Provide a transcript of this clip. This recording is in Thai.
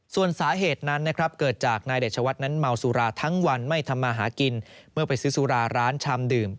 ส่วนสาเหตุนั้นนะครับเกิดจากนายเดชวัฒน์นั้นเมาสุราทั้งวันไม่ทำมาหากินเมื่อไปซื้อสุราร้านชามดื่ม